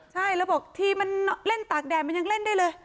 ใช่แล้วบอกทีมันเล่นตากแดดมันยังเล่นได้เลย